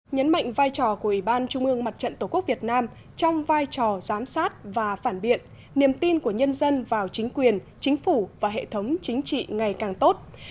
nhấn mạnh vai trò của ủy ban trung ương mặt trận tổ quốc việt nam trong vai trò giám sát và phản biện niềm tin của nhân dân vào chính quyền chính phủ và hệ thống chính trị ngày càng tốt